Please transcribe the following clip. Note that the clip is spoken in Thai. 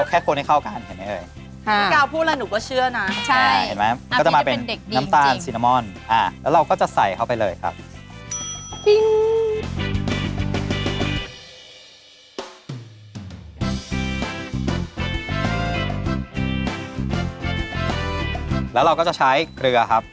อบเชยแบบนี้มีขายเลยป่ะครับ